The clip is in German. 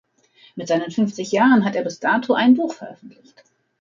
Mit seinen fünfzig Jahren hat er bis dato ein Buch veröffentlicht.